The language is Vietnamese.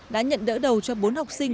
đã nhận đỡ đầu cho bốn học sinh